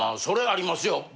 それありますよ。